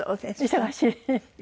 忙しい。